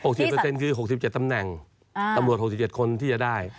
๖๗คือ๖๗ตำแหน่งตำรวจ๖๗คนที่จะได้